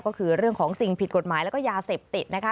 ก็คือเรื่องของสิ่งผิดกฎหมายแล้วก็ยาเสพติดนะคะ